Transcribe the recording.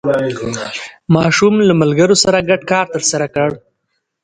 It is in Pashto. ماشوم له ملګرو سره ګډ کار ترسره کړ